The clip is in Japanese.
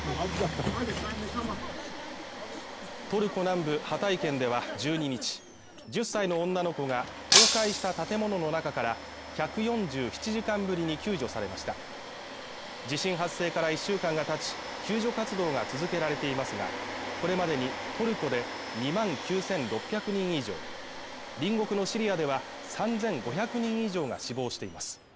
トルコ南部ハタイ県では１２日１０歳の女の子が倒壊した建物の中から１４７時間ぶりに救助されました地震発生から１週間がたち救助活動が続けられていますがこれまでにトルコで２万９６００人以上隣国のシリアでは３５００人以上が死亡しています